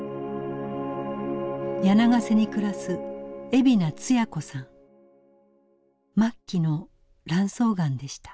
柳ケ瀬に暮らす末期の卵巣がんでした。